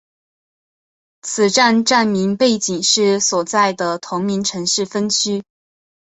此站站名背景是所在的同名城市分区。